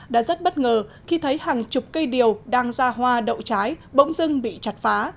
đã rất bất ngờ khi thấy hàng chục cây điều đang ra hoa đậu trái bỗng dưng bị chặt phá